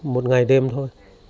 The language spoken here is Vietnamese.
một ngày đêm thôi